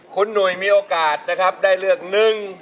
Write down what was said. คุณหนุ่ยมีโอกาสนะครับได้เลือกหนึ่ง